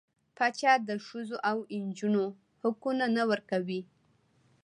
پاچا د ښځو او نجونـو حقونه نه ورکوي .